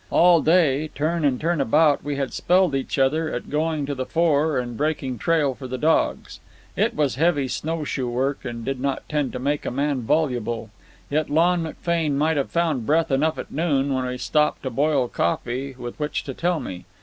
All day, turn and turn about, we had spelled each other at going to the fore and breaking trail for the dogs. It was heavy snowshoe work, and did not tend to make a man voluble, yet Lon McFane might have found breath enough at noon, when we stopped to boil coffee, with which to tell me.